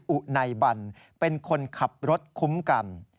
อุไนบันเป็นคนขับรถคุ้มกัน